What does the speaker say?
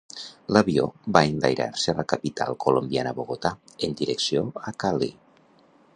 L"avió va enlairar-se a la capital colombiana Bogotá en direcció a Cali.